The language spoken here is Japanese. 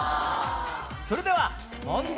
それでは問題